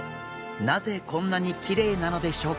なぜこんなにきれいなのでしょうか？